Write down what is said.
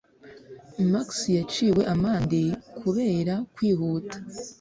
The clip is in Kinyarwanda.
Max yaciwe amande £ kubera kwihuta